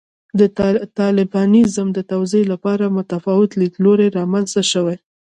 د طالبانیزم د توضیح لپاره متفاوت لیدلوري رامنځته شوي.